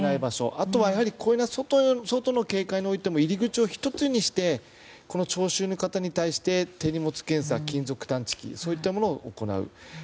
あとはこれが外の警戒においても入り口を１つにして聴衆に対して手荷物検査金属探知機といったことを行う。